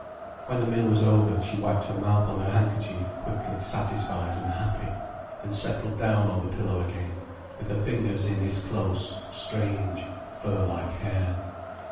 When the meal was over, she wiped her mouth on her handkerchief quickly, satisfied and happy, and settled down on the pillow again, with her fingers in his close, strange, fur like hair.